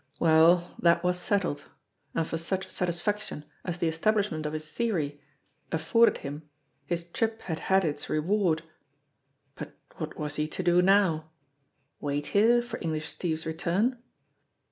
Well, that was settled, and for such satisfaction as the establishment of his theory afforded him his trip had had its reward. But what was he to do now? Wait here for English Steve's return?